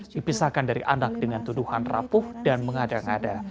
dipisahkan dari anak dengan tuduhan rapuh dan mengada ngada